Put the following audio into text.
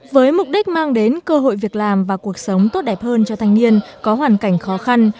với mục đích mang đến cơ hội việc làm và cuộc sống tốt đẹp hơn cho thanh niên có hoàn cảnh khó khăn